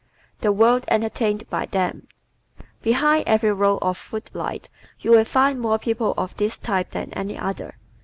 The World Entertained by Them ¶ Behind every row of foot lights you will find more people of this type than any other.